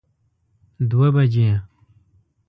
دوه بجی